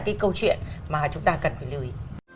cái câu chuyện mà chúng ta cần phải lưu ý